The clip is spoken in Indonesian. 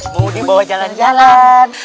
mau dibawa jalan jalan